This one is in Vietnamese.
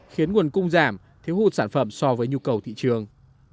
khiến nguồn cung giảm thiếu hụt sản phẩm so với nhu cầu thị trường